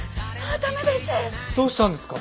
どうしたんですか？